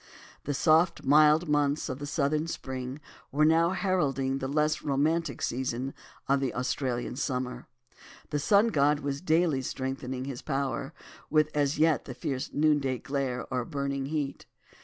The soft, mild months of the southern spring were now heralding the less romantic season of the Australian summer. The sun god was daily strengthening his power, without as yet the fierce noonday glare or burning heat.